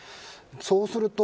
そうすると